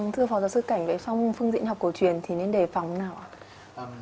thưa phó giáo sư cảnh về phong phương diện học cổ truyền thì nên đề phòng nào ạ